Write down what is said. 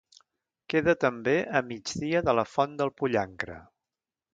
Queda també a migdia de la Font del Pollancre.